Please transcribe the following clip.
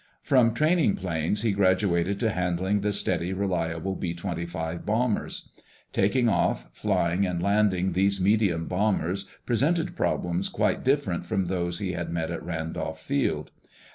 From training planes he graduated to handling the steady, reliable B 25 bombers. Taking off, flying and landing these medium bombers presented problems quite different from those he had met at Randolph Field.